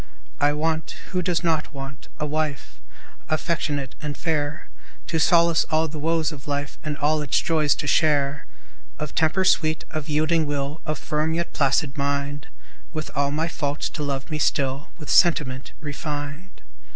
I want (who does not want?) a wife, Affectionate and fair; To solace all the woes of life, And all its joys to share. Of temper sweet, of yielding will, Of firm, yet placid mind, With all my faults to love me still With sentiment refined.